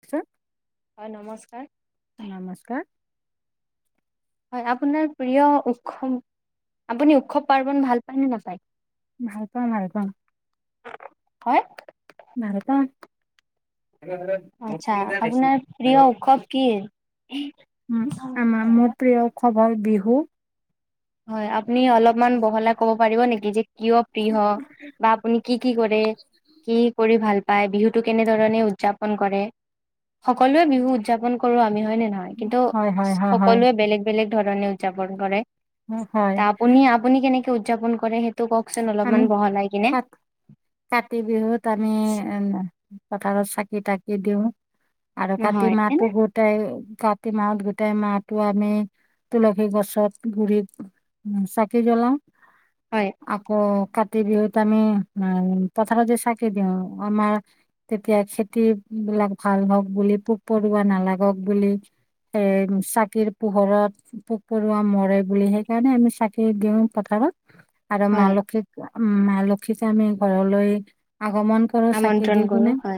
পিছত [unintelligible] হয়, নমস্কাৰ। নমস্কাৰ। হয়, আপোনাৰ প্ৰিয় উৎসৱ? আপুনি উৎসৱ পাৰ্বন ভাল পায় নে নেপায়? ভাল পাও, ভাল পাম। হয়। ভাল পাও। আতচ্ছা, আপোনাৰ প্ৰিয় উৎসৱ কি? আমাৰ মোৰ, প্ৰিয় উৎসৱ হ'ল বিহু। হয় আপুনি অলপমান বহলাই ক'ব পাৰিব নেকি? যে কিয় প্ৰিয়? বা আপুনি কি কি কৰে? কি কৰি ভাল, পাই। বিহুতো কেনেধৰণে উদযাপন কৰে? সকলোৱে বিহু উদযাপন কৰো, আমি হয় নে নহয়? কিন্তু হয় হয় হয় হয় সকলোৱে বেলেগ বেলেগ ধৰণে উদযাপন কৰে। হয় ট হয়। আপুনি আপুনি কেনেকে উদযাপন কৰে, সেইটো কওকচোন আমি অলপমান বহলাই কিনে কাত, কাতি বিহুত আমি এ পথাৰত চাকি, কি তাকি দিওঁ, আৰু কাতি হয় মাহটো এনে গোটাই কাতি মাহত গোটাই মাহটো আমি, তুলসী গছত গুৰিত উ, চাকি জ্বলাও। হয়। কাতি বিহুত আমি, উম পথাৰতো চাকি দিওঁ আমাৰ তেতিয়া খেতি বিলাক ভাল হওঁক বুলি। পোক পৰুৱা নালাগক বুলি। এ চাকিৰ পোহৰত পোক পৰুৱা মৰে বুলি, সেইকাৰণে আমি চাকি দিওঁ পথাৰত। আৰু মা হয় লক্ষীক, মা লক্ষী যে আমি ঘৰলৈ আগমন কৰো চাকি আমন্ত্ৰণ দি কৰো কিনে। হয়।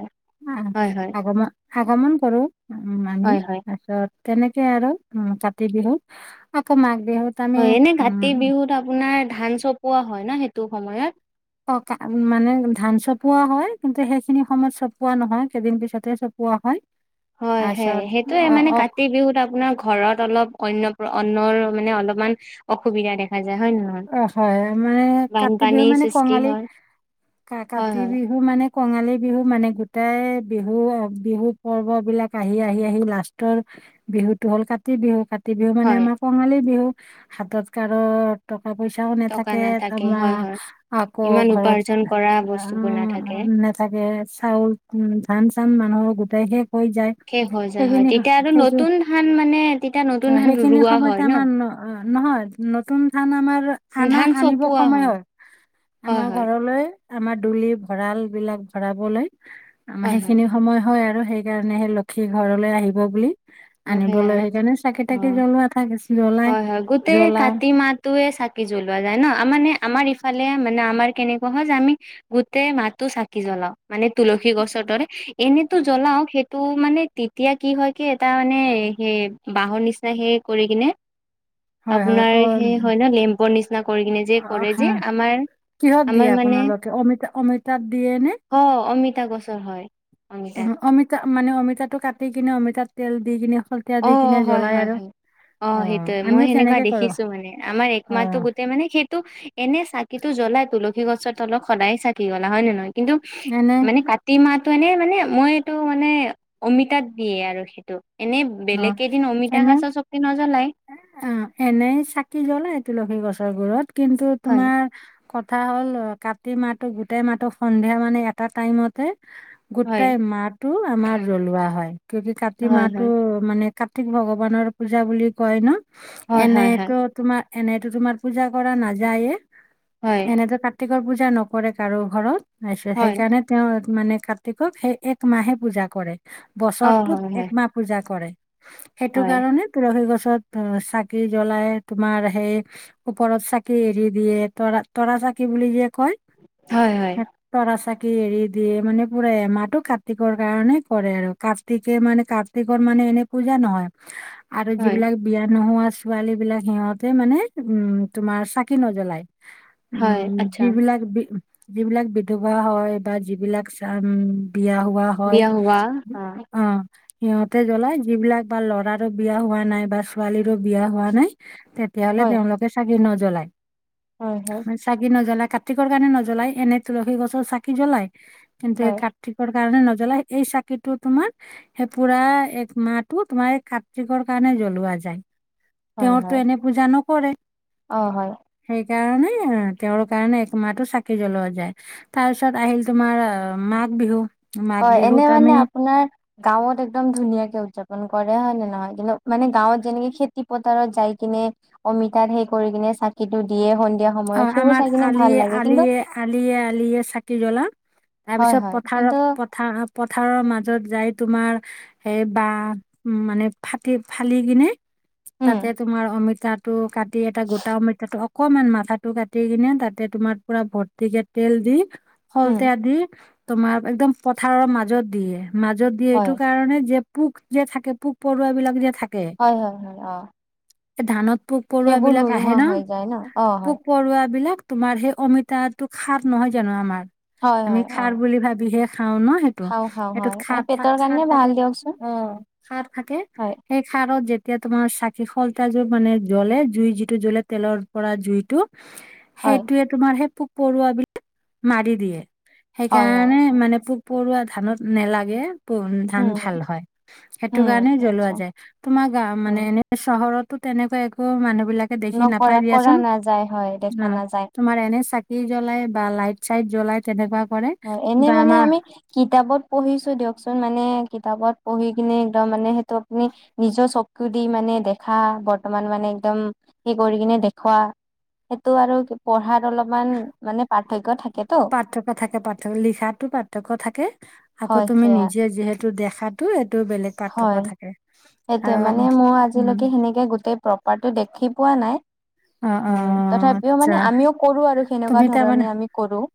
অ হয়, হয়, আগমন, আগমন কৰো। উম আমি। হয়, হয়, তাৰ পিছত তেনেকে আৰু উম কাতি বিহুত, আকৌ মাঘ বিহুত আমি হয় এনে উম কাতি বিহুত আপোনাৰ ধান চপোৱা হয় ন সেইটো সময়ত? অ, মানে ধান চপোৱা হয়। কিন্তু সেইখিনি সময়ত চপোৱা নহয়। কেইদিন পিছতে চপ পোৱা হয়। হয়, হয়। তাৰপিছত সেইটোয়ে অ মানে অ কাতি বিহুত আপোনাৰ ঘৰত অলপ অন্য অন্নৰ মানে অলপমান অসুবিধা দেখা যায়। হয় নে নহয়? অ, হয় মানে কাতি বিহু বানপানীৰ মানে সৃষ্টি কঙালী। হয়, কা হয়, কাতি হয়, বিহু মানে কঙালী বিহু মানে গোটাই বিহু, বিহু পৰ্ব বিলাক আহি-আহি- আহি লাষ্টৰ বিহুটো হ'ল কাতি। বিহু কতি কাতি বিহু মানে হয়। আমাৰ কঙালী বিহু। হাতত কাৰো পা পইচাও টকা নাথাকে হয়, তোমাৰ হয়, আকৌ ইমান ঘৰত উপাৰ্জন কৰা আ বস্তুবোৰ নাথাকে। উম নাথাকে চাউল, উম ধান চান মানুহৰ গোটাই শেষ হৈ যায়। শেষ হৈ যায় হয়, সেইখিনি, তেতিয়া আৰু সেইখি, নতুন ধান মানে তেতিয়া নতুন ধান সেইখিনি ৰোৱা হয় সময়তে আমাৰ ন অ, নহয় নতুন কাৰণ আমাৰ আনা ধান আনিব চপোৱা সময় হয়, হয়, আমাৰ হয়, ঘৰলৈ। আমাৰ ডুলিত ভঁৰাল বিলাক ভৰাবলে, আমাৰ হয়, হয়, সেইখিনি সময় হয় আৰু। সেই কাৰণে হে, লক্ষী ঘৰলৈ আহিব বুলি। আনিবলৈ সেয়াই সেইকাৰণে চাকি তাকি অ'। জ্বলোৱা ঠাই জ্বলাই জ্বলাও। তয়ে চাকি জ্বলোৱা যায় ন। মানে আমাৰ ইফালে মানে আমাৰ কেনেকুৱা হয় যে, আমি গোতেই মাহটো চাকি জ্বলাও মানে তুলসী গছৰ দৰে। এনেতো জ্বলাও। সেইটো মানে তেতিয়া কি হয় কি এটা মানে সেই বাঁহৰ নিচিনা সেই কৰি কিনে হয় হয় আপোনাৰ অ', সেই হয় নে? লেম্পৰ নিচিনা কৰি কিনে যে অ, কৰে যে। হয় আমাৰ কিহত দিয়ে? আমাৰ মানে আপোনালোকে অমিতা, অমিতা দিয়ে নে? টা গছৰ হয়। অমিতা অমিতা মানে অমিতাটো কাটি কিনে অমিতাত তেল দি কিনি শলতা দি অ কিনে হয় জ্বলাই হয় আৰু। হয় অ সেটোয়ে মই আমিও হেনেকুৱা তেনেকে কৰোঁ দেখিছোঁ মানে আমাৰ এক মাহটো অ'। গোটেই মানে সেইটো এনে চাকিটো জ্বলাই তুলসী গছৰ তলত সদায় চাকি জ্বলাই হয় নে নহয় কিন্তু এনে মানে কাতি মাহ মানে মানে মই এইটো মানে অমিতাত দিয়ে আৰু সিটো এনে অ বেলেগ কেইদিন অমিতা এনে গছৰ চকতি নজ্বলাই অ এনে চাকি জ্বলাই তুলসী গছ ত বোৰত কিন্তু হয় তোমাৰ। কথা হ'ল অ কাতি মাহটো গোটেই মাহটো সন্ধিয়া মানে এটা টাইমতে। হয় গোটাই মাহটো আমাৰ জ্বলোৱা হয় কি‌ন্তু কাতি হয় মাহ। মানে কাৰ্ত্তিক ভগৱানৰ পূজা বুলি কয় ন হয় হয় হয় এনেতো তোমাৰ এনে টো তোমাৰ পূজা কৰা নাযায়ে হয় হয় এনেতো কাৰ্ত্তিকৰ পূজা নকৰে কাৰোৰ ঘৰত। তাৰপিছত হয় সেইকাৰণে তেওঁ মানে কাৰ্ত্তিকক সেই এক মাহে পূজা কৰে। অ বছৰটোত হয় হয় একমাহ পূজা কৰে সেইটো হয় কাৰণে তুলসী গছ। আকাশত চাকি জ্বলাই তোমাৰ সেই ওপৰত চাকি এৰি দিয়ে তৰা- তৰা। চাকি বুলি যে কয় হয় হয় হে তৰা চাকি। দি এৰি দিয়ে মানে পোৰা এমাহটো কাৰ্ত্তিকৰ কাৰণে কৰে আৰু। কাৰ্ত্তিকে মানে কা কাৰ্ত্তিকৰ মানে এনে পূজা নহয় আৰু হয় যিবিলাক বিয়া নোহোৱা। ছোৱালীবিলাক সিহঁতে মানে উম, তোমাৰ চাকি নজ্বলায়। হয় উম আচ্ছা যিবিলাক বি। যিবিলাক বিধৱা হয় বা যি বিলাক চাম। বিয়া হোৱা হয় বিয়া হোৱা অ উম। সিহঁতে জ্বলাই যিবিলাক বা ল'ৰাৰো বিয়া হোৱা নাই বা ছোৱালীৰো বিয়া হোৱা নাই। তেতিয়া হ'লে হয় তেওঁলোকে চাকি নজ্বলাই, হয় হয় চাকি নজ্বলাই। কাৰ্ত্তিকৰ‌ কাৰণে নজ্বলাই এনে তুলসী গছৰ চাকি জ্বলাই কিন্তু এই হয় কাৰ্ত্তিকৰ কাৰণে ন জ্বলাই এই চাকিটো তোমাৰ হেই পুৰা এক মাহটোত তোমাৰ এ কাত্তিৰ্কৰ কাৰণে জ্বলোৱা যায়। হয় তেওঁৰ হয় তো এনে পূজা নকৰে। অ' হয়। সেই কাৰণে তেওঁৰ কাৰণে এক মাহটো‌ চাকি জ্বলোৱা যায়, তাৰ পিছত আহিল তোমাৰ মাঘ বিহু মাঘ হয়, এনে বিহুত মানে আমি আপোনাৰ গাঁৱত একদম ধুনীয়াকে উদজাপন গ্ৰহন‌ কৰে, হয় নে নহয়, কিন্তু মানে গাঁৱত যেনেকে খেতি পথাৰত যায় কিনে, অমিতাৰ হেই কৰি কিনে হে চাকিটো দিয়ে সন্ধি অ', আমাক আলিয়ে-আলিয়ে, আলিয়ে-আলিয়ে চাকি জ্বলাও। তাৰ হয় পিছত হয় পথাৰত কিন্তু পথ পথাৰৰ মাজত যাই তোমাৰ, হেই বাহ উম মানে ফাটি ফালি কিনে উম তাতে তোমাৰ অমিতাটো কাটি এটা গোটা অমিতাটো অকমান মাথাত টো কাটি কিনে তাতে তোমাৰ পুৰা ভৰ্তিকে তেল দি, উম শলতেয়া দি তোমাৰ একদম পথাৰৰ মাজত দিয়ে, মাজত দিয়ে এইটো হয় কাৰণে যে পোক যে থাকে, পোক-পৰুৱা বিলাক যে থাক হয়, হয়, হয়, অ। এ‌ ধানত পোক-পৰুৱা সেইবোৰ বিলাক আহে নোহোৱা ন। হৈ যায় ন অ হয় পোক-পৰুৱা বিলাক তোমাৰ হেই অমিতাটোক সাৰ নহয় জানো আমাৰ। হয়। আমি হয় অ ক্ষাৰ বুলি ভাবিহে খাওঁ ন হেট, খাওঁ খাওঁ হেইটোত হয় আৰু ক্ষাৰ থাক পেটৰ ক্ষাৰ কাৰণে ভাল থাকে, দিয়কচোন অ। খাৰ থাকে, হয় সেই খাৰত যেতিয়া তোমাৰ চাক সেই শলিতাযোৰ মানে জ্বলে, জুই যিটো জ্বলে তেলৰ পৰা জুইত। হয় হেইটোৱে তোমাৰ হেই পোক-পৰুৱা বিলাক মাৰি দিয়ে। হয় হয় হেইকাৰণে মানে পোক-পৰুৱা ধানত নেলাগে। পোন ধান উম ভাল হয় সেইটো উম কাৰণে জ্বলোৱা আচ্ছা যায় তোমাৰ গা অ মানে এনে চহৰত। তো তেনেকা একো মানুহ বিলাকে দেখি নাপাই নকৰা কৰা দিয়াচোন নাযায় হয় দেখা অ নাযায় তোমাৰ এনে চাকি জ্বলাই বা লাইট চাইট জ্বলাই তেনেকুৱা কৰে হয় এনে বা মানে আমাৰ আমি কিতাপত পঢ়িছো দিয়কচোন মানে কিতাপত পঢ়ি কিনে একদম মানে সেইটো আপুনি নিজৰ চকু দি মানে দেখা বৰ্তমান মানে একদম সেই কৰি কিনে দেখুৱা সেইটো আৰু পঢ়াত অলপমান মানে পাৰ্থক্য থাকে। পাৰ্থক্য থাকে পাৰ্থক্য লিখাতো পাৰ্থক্য থাকে আকৌ হয় তুমি সেয়া নিজে যিহেতু। এইটো দেখাতো এই। হয় সেইটোয়ে, মানে আৰু মোৰ উম আজিলৈকে সেনেকে গোটেই প্ৰপাৰটো দেখি পোৱা। নাই অ অ তথাপিও আচ্ছা মানে আমিও কৰো আৰু তুমি সেনেকুৱা তাৰমানে ধৰণে আমি কৰো।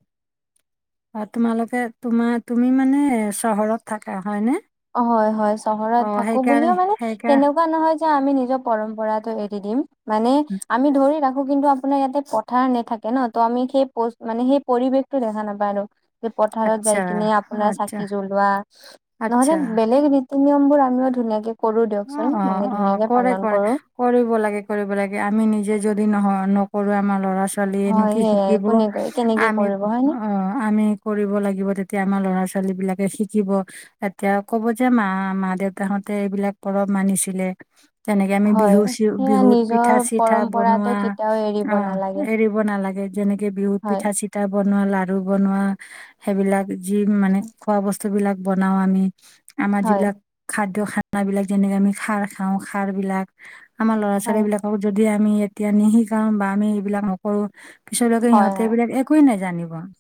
অ' তোমালোকে তোমাৰ তুমি মানে চহৰত থাকা হয় নে ' হয় -হয় চহৰত থাকো বুলিও মানে সেইকাৰ সেনেকুৱা নহয় যে আমি নিজৰ পৰম্পৰাটো টো এৰি দিম মানে আমি ধৰি ৰাখোঁ। কিন্তু আপোনাৰ ইয়াতে পথাৰ নেথাকে ন ত আমি সেই মানে সেই পৰিৱেশতটো দেখা নাপায় আৰু। যে পথাৰত আচ্ছা যাই কিনে আপোনাৰ আচ্ছা চাকি জ্বলোৱা নহ'লে আচ্ছা বেলেগ এই নিয়ম বোৰ আমিও ধুনীয়াকে কৰো দিয়কচোন অ', অ', মানে অ ', ধুনীয়াকে কৰে পালন কৰে কৰো কৰিব লাগে-কৰিব লাগে আমি নিজে যদি নহয়। নকৰো আমাৰ ল'ৰা লৰা ছোৱালী এ নো হয় কি সেয়াই শিকিব কোনে কেনেকে আমি কৰিব অ, হয় নে আমি কৰিব লাগিব তেতিয়া আমাৰ ল'ৰা ছোৱালী বিলাকে শিকিব এতিয়া কব যে মা-মা দেউতাহঁতে এইবিলাক অলপ মানিছিলে। তেনেকে আমি হয় সেয়া বিহু-বিহুত পিঠা নিজৰ চিঠা পৰম্পৰাটো বনোৱা কেতিয়াও এৰিব অ, নালাগে এৰিব নালাগে। যেনেকে বিহুত হয় পিঠা চিঠা বনোৱা লাাৰু বনোৱা সেইবিলাক যি মানে খোৱা বস্তু বস্তু বিলাক বনাও আমি আমাৰ হয় যিবিলাক খাদ্য খানাবিলাক যেনেকে আমি খাৰ খাওঁ খাৰ বিলাক আমাৰ ল'ৰা ছোৱালী হয় বিলাকৰ যদি যদি আমি এতিয়া নিশিকাও বা আমি এইবিলাক নকৰোঁ পিছলৈকে হয় সিহঁতে হয় এইবিলাক একোৱেই নেজানিব জানিব।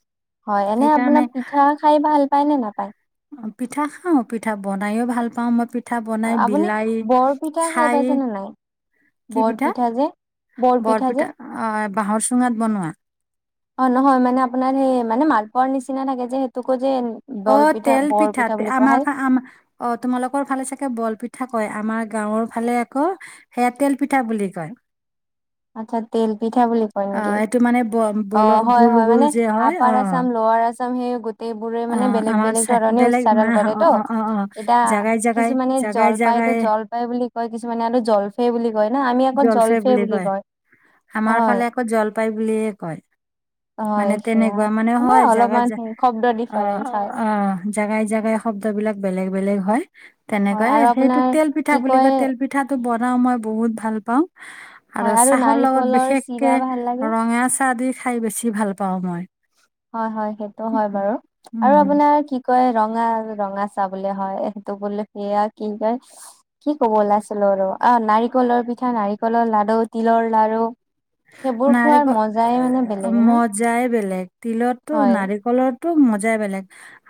হয় এনে আপোনাৰ পিঠা খাই ভাল পায় নে নাপায়। অ, পিঠা খাওঁ পিঠা বনাইও ভাল পাওঁ মই পিঠা পিঠা বনাই আপুনি বিলাই বৰপিঠা খাই। পাইছে নে নাই কি পিঠা বৰপিঠা যে বৰপিঠা অ, বাঁহৰ চুঙাত বনোৱা। অ, নহয় মানে আপোনাৰ সেই মানে মালপোৱাৰ নিচিনা থাকে যে সেইটোকোই অ, তেল পিঠা কোৱা হয় আমাৰ আম অ, তোমালোকৰ ভালে চাগে বৰপিঠা কয় আমাৰ গাঁৱৰ ফালে আকৌ সেয়া তেল পিঠা বুলি কয়। আচ্ছা তেল পিঠা বুলি ক‌ই অ নেকি এইটো মানে ব অ, বলৰ গোল হয়-হয় গোল মানে যে হয় অ আপাৰ আ‌চাম লআৰ আছাম সেই গোটেই বোৰে অ মানে বেলেগ আমাৰ বেলেগ চাই- ধৰণে বেলেগ উচ্চাৰণ মানে কৰে অ ত, অ অ অ এতিয়া জাগাই জাগাই কিছুমানে জাগাই জলপাই জাগাই জলপাই বুলি কয় কিছুমানে আৰু জলফে বুলি কয় না আমি আকৌ জলফে বুলি কয়। আমাৰ হয় ফালে আকৌ জল পায় বুলিয়ে কয়। হয় মানে সেয়া তেনেকুৱা মানে হয় জাগা অলপমান জা শব্দ অঁ ডিফাৰেন্ঞ্চ হয় অঁ জাগাই জাগাই শব্দ বিলাক বেলেগ বেলেগ হয় হয় তেনেকৈ আৰু সেইটো আপোনাৰ তেল পিঠা কি বুলি কয় তেল পিঠাটো বনাও মই বহুত ভাল পাওঁ। হয় আৰু আৰু চাহৰ লগত নাৰিকলৰ বিশেষকে চিৰা ভাল লাগে ৰঙা চাহ দি খায় বেছি ভাল পাওঁ মই। হয় হয় সেইটো হয় বাৰু আৰু উম আপোনাৰ কি কয় ৰঙা ৰঙা চাহ বোলে হয় সেইটো বোলে সেয়া কি কয় কি ক'ব ওলাইছিলোঁ আৰু অ নাৰিকলৰ পিঠা নাৰিকলৰ লাড়ু তিলৰ লাড়ু সেইবোৰ খোৱাৰ নাৰিকল মজাই মানে বেলেগে না। তিলতটো হয় নাৰিকলত টো মজাই বেলেগ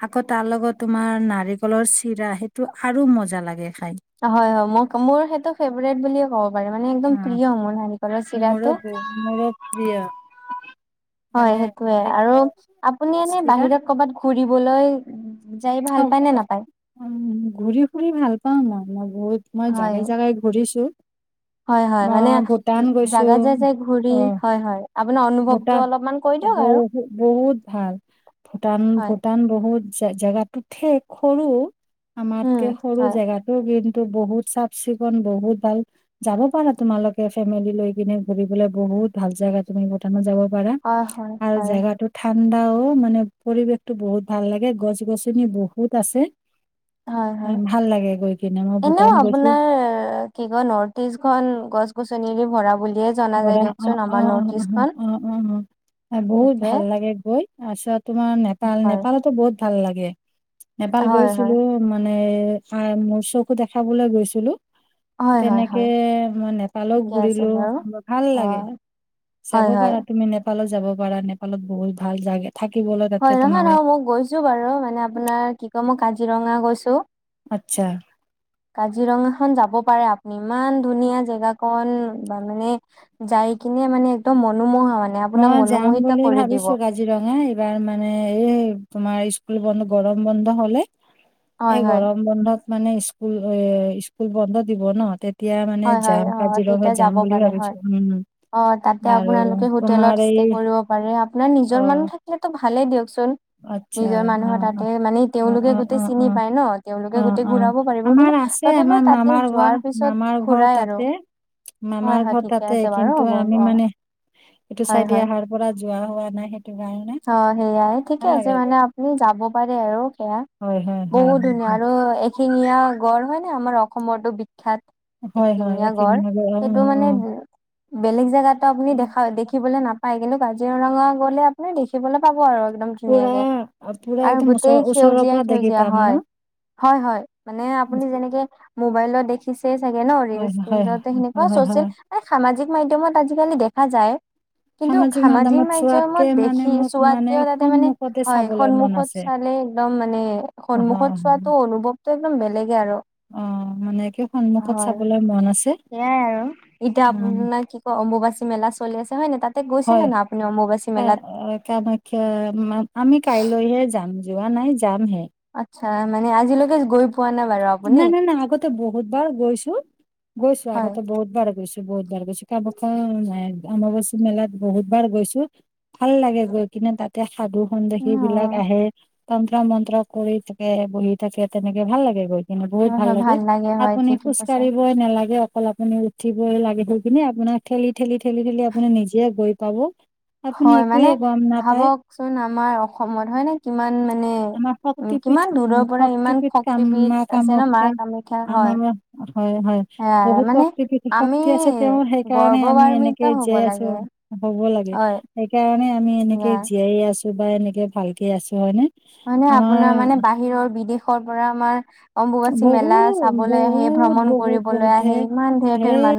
আকৌ তাৰ লগত তোমাৰ নাৰিকলৰ চিৰা সেইটো আৰু মজা লাগে খায়। হয় হয় মোক মোৰ সেইটো ফেভৰেট বুলিয়ে কব পাৰে মানে একদম উম প্ৰিয় মোৰ নাৰিকলৰ মোৰো চিৰাটো। ব- মোৰো প্ৰিয় হয় মানে সেইটোৱে আৰু নাৰিকলৰ আপুনি এনে চিৰা বাহিৰত কৰবাত ঘুৰিবলৈ যাই ভাল অ পায় নে নাপায়? উম ঘূৰি ফুৰি ভাল পাওঁ মই বহুত মই হয় জাগাই জাগাই ঘূৰিছো। হয়, হয় মানে মই ভূটান গৈছো জাগা যায়, যায় ঘূৰি অ হয়, হয়। আপোনাৰ অনুভৱটো ভূটান অলপমান কৈ দিয়ক আৰু বহু বহুত ভাল ভূটান, হয় ভূটান বহুত জেগাতো ঠেক, সৰু উম আমাতকে, সৰু হয় জেগাতটো কিন্ত বহুত চাফ- চিকুন, বহুত ভাল যাব পাৰা। তোমালোকে ফেমিলি লৈ কিনে ঘুৰিবলে বহুত বহুত ভাল জেগা, তুমি ভুটানত যাব পাৰা হয় হয় আৰু হয় জেগাতো থ ঠাণ্ডাও মানে পৰিৱেশতো বহুত ভাল লাগে গছ- গছনি বহুত আছে। হয় হয় উম ভাল লাগে গৈ। কিনে মই এনেও ভূটান গৈছো আপোনাৰ কি কয় নৰ্থ ইষ্ট খন গছ- গছনিৰে ভৰা বুলি অ, অ, অ, অ, অ, বহুত সেইটোৱে ভাল লাগে গৈ। তাৰপিছত তোমাৰ নেপাল, হয় নেপালতো বহুত ভাল লাগে নেপাল হয় গৈছিলো হয় মান মানে মোৰ চকু দেখাবলৈ গৈছিলো। হয় হয় তেনেকে হয় মই নেপালো ঠিকে আছে ঘূৰিলো। বাৰু ভাল অ লাগে যাব হয় হয় পাৰা তুমি নেপালত যাব পাৰা। নেপালত বহুত ভাল জেগা হয়, নহয়, নহয় মই গৈছো বাৰু মানে আপোনাৰ কি কয় মই কাজিৰঙা গৈছো। আচ্ছা কাজিৰঙা খন যাব পাৰে আপ -পুনি ইমান ধুনীয়া জেগা কন বা মানে যাই কিনে মানে একদম মনোমোহা হয়। মই যাম বুলি ভাবিছো কাজিৰঙা এইবাৰ মানে মানে এই তোমাৰ স্কুল বন্ধ, গৰম বন্ধ হলে হয় এই হয় গৰম বন্ধত মানে স্কুল এ স্কুল বন্ধ দিব ন এতিয়া মানে হয় হয় যাম, অ কাজিৰঙা তেতিয়া যাম যাব বুলি পাৰে ভাবিছো, হয়। উ'ম অ তাতে আৰু আপোনালোকে হোটেলত তোমাৰ এই ষ্টে কৰিব পাৰে। আপোনাৰ অ নিজৰ মানুহ থাকিলেতো ভালেই দিয়কচোন। আচ্ছা নিজৰ অ মানুহৰ অ তাতে মানে অ তেওঁলোকে অ অ গোটেই অ চিনি পায় ন তেওঁলোকে অ গোটেই অ ঘূৰাব পাৰিব। আমাৰ কিন্তু আছে তথাপিও আমাৰ তাতে মামাৰ ঘৰ যোৱাৰ পিছত। মামাৰ ঘৰ ঘুৰাই আৰু তাতে হয় মামাৰ হয় ঘৰ ঠিকে তাতে আছে বাৰু কিন্তু হ'ব আমি হ'ব অ। মানে এইটো চাই দি অহাৰ পৰা যোৱা হোৱা নাই সেইটো কাৰ অঁ, সেইয়াই ঠিকে আছে মানে আপুনি যাব পাৰে আৰু। সেয়া হয় হয় হয় বহুত হয় ধুনীয়া আৰু হয় এশিঙীয়া গঁড় হয় নে আমাৰ অসমৰতো বিখ বিখ্যাত হয় হয় এশিঙীয়া এইখিনি গঁড় আৰু অ সেইটো মানে বেলেগ জেগাতো আপুনি অ দেখা দেখিবলৈ নাপায় কিন্তু কাজিৰঙা গ'লে আপুনি দেখিবলৈ পাব আৰু একদম পুৰা ধুনীয়াকে পুৰা আৰু একদম ওচৰ গোটেই ওচৰৰ সেউজীয়া পৰা দেখি সেউজীয়া পাম হয়। ন হয় হয় মানে আপুনি যেনেকে মবাইলত দেখিছে চাগে ন হয় ৰিলচ হয় সেনেকুৱা হয় হয় চচিয়েল হয় সামাজিক মাধ্যমত আজি কালি দেখা যায় কিন্তু সামাজিক মাধ্যমত মাধ্যমন চোৱাতকে দে মানে সি মোক মানে চোৱাতকেও তাতে মানে সন্মুখতে হয় চাবলৈ মন সন্মুখত আছে চালে একদম মানে হয় সন্মুখত হয় চোৱাটো অনুভৱ তটো একদম বেলেগে আৰু। অ মানে একে সন্মুখত হয় চাবলৈ মন আ সেয়াই আৰু এতিয়া আপোনাৰ কি কয় অম্বুবাচী মেলা চলি আছে হয় নাই তাতে গৈছে নে না আপুনি? অম্বুবাচী মেলাত অ কামাখ্যা আমি কাইলৈহে যাম যোৱা নাই যামহে। হয় মানে আজিলৈকে গৈ পোৱা নাই বাৰু আপুনি নাই নাই আগতে বহুতবাৰ গৈছো গৈছো হয়। আগতে বহুতবাৰ গৈছো। বহুত বাৰ গৈছো কামাখ্যা অম্বুবাচী মেলাত বহুত বাৰ গৈছো। ভাল লাগে গৈ কিনে তাতে সাধু সন্যাসী বিলাক অ' আহে। তন্ত্ৰ মন্ত্ৰ কৰি থাকে বহি থাকে তেনেকে ভাল লাগে গৈ। কেনেকৈ হয় ভাল হয় লাগে হয় আপুনি ঠিকে খোজ কৈছে। কাঢ়িবলৈ নালাগে অকল আপুনি উঠিব লাগে সেই খিনি আপোনাক ঠেলি ঠেলি ঠেলি ঠেলি আপুনি নিজে গৈ পাব আপুনি হয় মানে একোৱে গম নাপায় ভাবক চোন আমাৰ অসমত হয় নে কিমান মানে আমাৰ শক্তিপীঠ কিমান উম, দূৰৰ পৰা ইমান শক্তিপীঠ কামা শক্তিবিদ আছে ন মা কামাখ্যা কামাখ্যা হয়। আমাৰ হয় হয় সেয়াই বহুত মানে শক্তি পিত আমি শক্তি আছে তেওঁ সেইকাৰণে আমি গৰ্বৱান্বিত এনেকে হ'ব জীয়াই আছো। লাগে হ'ব লাগে হয় সেইকাৰণে আমি সেয়া এনেকে জীয়াই আছো বা এনেকে ভালকে আছো হয় নে? মানে আপোনাৰ মানে বাহিৰৰ বিদেশৰ পৰা আমাৰ অম্বুবাচী মেলা বহুত চাবলৈ আহে বহুত ভ্ৰমণ বহুত বহুত কৰিবলৈ আহে ধেৰ ইমান ধেৰ ধেৰ মানুহ